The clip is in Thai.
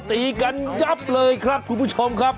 ตีกันยับเลยครับคุณผู้ชมครับ